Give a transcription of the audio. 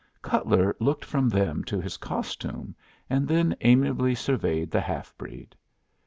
Cutler looked from them to his costume, and then amiably surveyed the half breed.